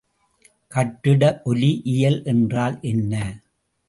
கட்டிட ஒலிஇயல் என்றால் என்ன?